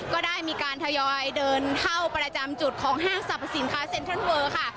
ก็ได้มีการทยอยเดินเข้าประจำจุดของห้างสรรพสินค้าเซ็นทรัลเวอร์ค่ะ